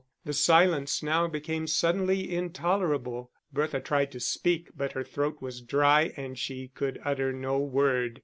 The silence now became suddenly intolerable: Bertha tried to speak, but her throat was dry, and she could utter no word.